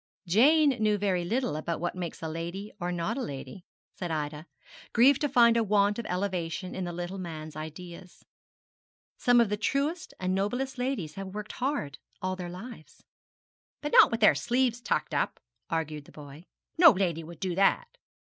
'Jane knew very little about what makes a lady or not a lady,' said Ida, grieved to find a want of elevation in the little man's ideas. 'Some of the truest and noblest ladies have worked hard all their lives.' 'But not with their sleeves tucked up,' argued the boy; 'no lady would do that.